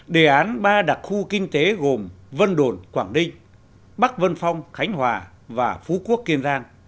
đề án ba đặc khu kinh tế gồm vân đồn quảng ninh bắc vân phong khánh hòa và phú quốc kiên giang